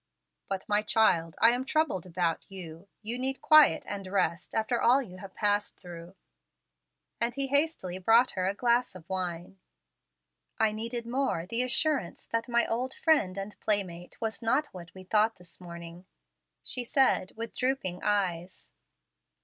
"But, my child, I am troubled about you. You need quiet and rest after all you have passed through"; and he hastily brought her a glass of wine. "I needed more the assurance that my old friend and playmate was not what we thought this morning," she said, with drooping eyes.